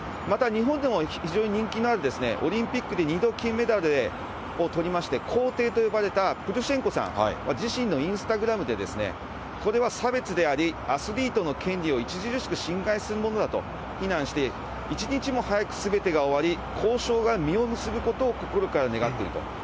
また日本でも非常に人気のあるオリンピックで２度金メダルをとりまして、皇帝と呼ばれたプルシェンコさん、自身のインスタグラムで、これは差別であり、アスリートの権利を著しく侵害するものだと非難して、一日も早くすべてが終わり、交渉が実を結ぶことを心から願っていると。